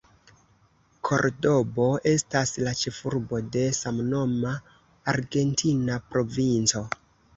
Kordobo estas la ĉefurbo de samnoma argentina provinco.